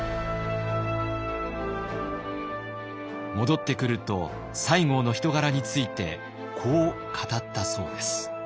戻ってくると西郷の人柄についてこう語ったそうです。